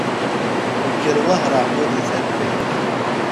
Ikker wahruḥu di taddart.